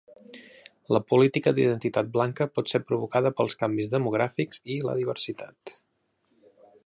La política d'identitat blanca pot ser provocada pels canvis demogràfics i la diversitat.